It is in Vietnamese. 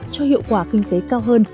cho hiệu quả kinh tế cao hơn